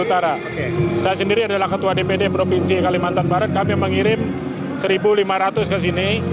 saya sendiri adalah ketua dpd provinsi kalimantan barat kami mengirim satu lima ratus ke sini